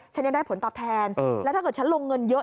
ฉันยังได้ผลตอบแทนแล้วถ้าเกิดฉันลงเงินเยอะ